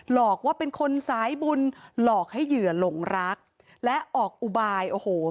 หลอกว่าเป็นคนสายบุญหลอกให้เหยื่อหลงรักและออกอุบายโอ้โห